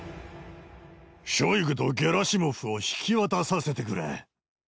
ショイグとゲラシモフを引き渡させてくれ。